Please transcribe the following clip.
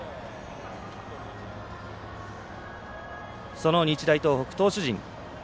その日大東北、投手陣。